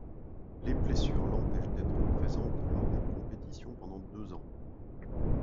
Les blessures l'empêchent d'être présente lors des compétitions pendant deux ans.